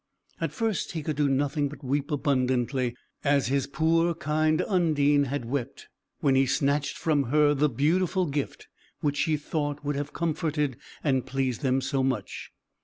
At first, he could do nothing but weep abundantly, as his poor kind Undine had wept when he snatched from her the beautiful gift, which she thought would have comforted and pleased them so much.